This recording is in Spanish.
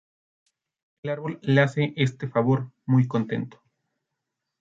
El árbol le hace este favor muy contento.